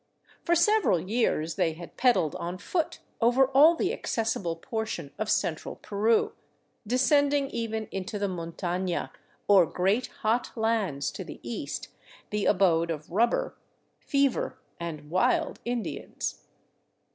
For several years they had pedj died on foot over all the accessible portion of central Peru, descendin| even into the montana, or great hot lands to the east, the abode of rul ber, fever, and " wild " Indians.